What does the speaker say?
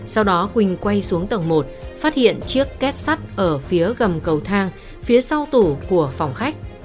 sau đó quỳnh quay xuống tầng một phát hiện chiếc két sắt ở phía gầm cầu thang phía sau tủ của phòng khách